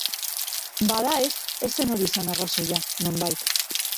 Bada ez, ez zen hori izan arrazoia, nonbait.